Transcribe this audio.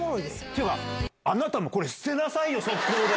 というか、あなたもこれ、捨てなさいよ、速攻で。